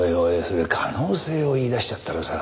そりゃ可能性を言い出しちゃったらさ